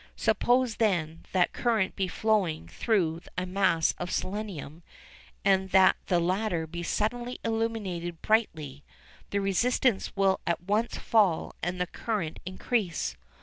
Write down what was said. Suppose, then, that current be flowing through a mass of selenium and that the latter be suddenly illuminated brightly, the resistance will at once fall and the current increase.